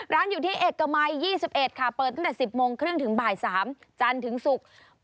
ร้านอยู่ที่เอกมัย๒๑ค่ะเปิดตั้งแต่๑๐โมงครึ่งถึงบ่าย๓จันทร์ถึงศุกร์